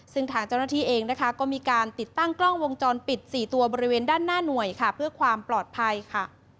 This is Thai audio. ซึ่งทางเจ้าหน้าที่เองนะคะก็มีการติดตั้งกล้องวงจรปิด๔ตัวบริเวณด้านหน้าหน่วยค่ะเพื่อความปลอดภัยค่ะ